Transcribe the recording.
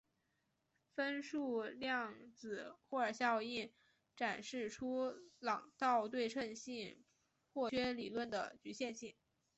分数量子霍尔效应展示出朗道对称性破缺理论的局限性。